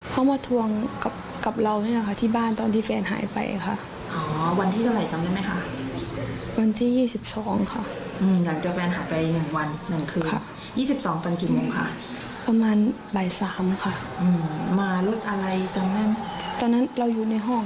เขาเข้ามาเขาพูดว่าอย่างไรบ้าง